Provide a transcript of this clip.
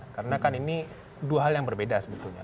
karena kan ini dua hal yang berbeda sebetulnya